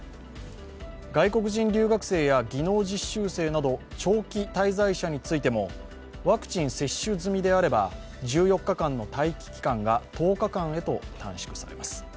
外国人留学生や技能実習生など長期滞在者についてもワクチン接種済みであれば１４日間の待機期間が１０日間へと短縮されます。